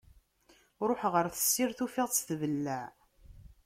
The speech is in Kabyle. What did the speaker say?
Ruḥeɣ ɣer tessirt ufiɣ-tt tbelleɛ.